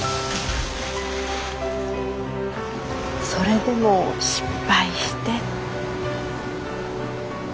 それでも失敗して。